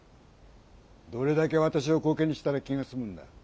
どれだけ私をコケにしたら気が済むんだ！